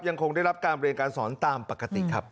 ยังคงได้รับการเรียนการสอนตามปกติครับ